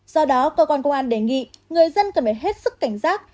do đó cơ quan công an đề nghị người dân cần phải hết sức cảnh giác